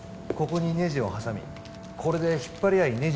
ここにネジを挟みこれで引っ張り合い